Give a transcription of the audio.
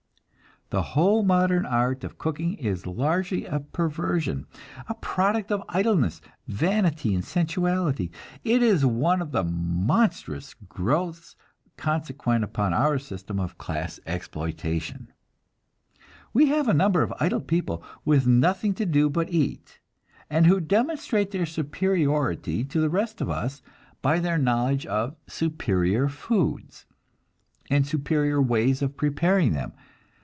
The whole modern art of cooking is largely a perversion; a product of idleness, vanity, and sensuality. It is one of the monstrous growths consequent upon our system of class exploitation. We have a number of idle people with nothing to do but eat, and who demonstrate their superiority to the rest of us by their knowledge of superior foods, and superior ways of preparing them.